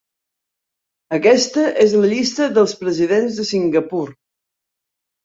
Aquesta és la llista dels presidents de Singapur.